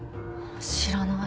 知らない。